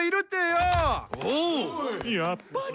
やっぱり。